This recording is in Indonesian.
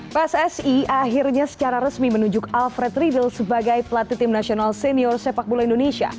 pssi akhirnya secara resmi menunjuk alfred riedel sebagai pelatih tim nasional senior sepak bola indonesia